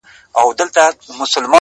• چي نور ساده راته هر څه ووايه ـ